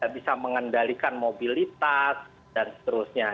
bisa mengendalikan mobilitas dan seterusnya